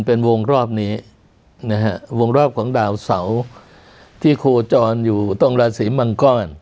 เป็นวงรอบนี้นะฮะวงรอบของดาวเสาที่โคจรอยู่ตรงราศีมังกร